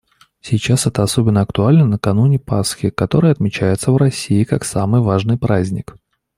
Сейчас это особенно актуально накануне Пасхи, которая отмечается в России как самый важный праздник.